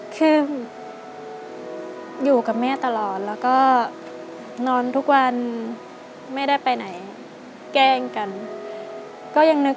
คืออยู่กับแม่ตลอดแล้วก็นอนทุกวันไม่ได้ไปไหนแกล้งกันก็ยังนึก